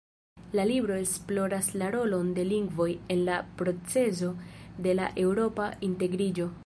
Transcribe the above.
La libro esploras la rolon de lingvoj en la procezo de la eŭropa integriĝo.